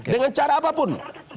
dengan cara apapun